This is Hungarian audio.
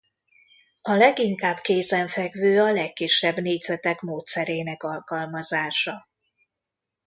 A leginkább kézenfekvő a legkisebb négyzetek módszerének alkalmazása.